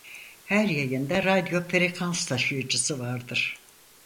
Her yayında radyo frekans taşıyıcısı vardır.